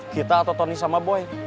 kita atau tony sama boy